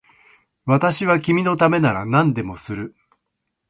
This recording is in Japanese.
私は君のためなら何でもする